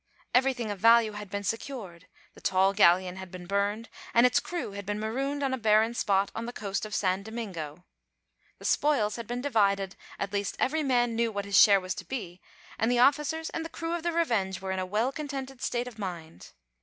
Everything of value had been secured, the tall galleon had been burned, and its crew had been marooned on a barren spot on the coast of San Domingo. The spoils had been divided, at least every man knew what his share was to be, and the officers and the crew of the Revenge were in a well contented state of mind.